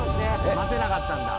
待てなかったんだ。